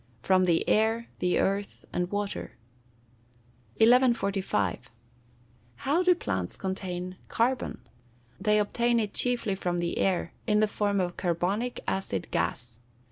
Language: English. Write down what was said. _ From the air, the earth, and water. 1145. How do plants obtain carbon? They obtain it chiefly from the air, in the form of carbonic acid gas.